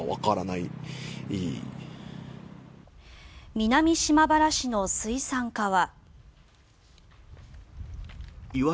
南島原市の水産課は。